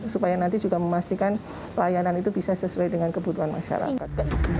supaya nanti juga memastikan layanan itu bisa sesuai dengan kebutuhan masyarakat